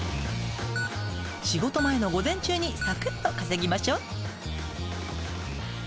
仕事前の午前中にさくっと稼ぎましょう。